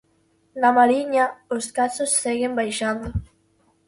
Na Mariña os casos seguen baixando.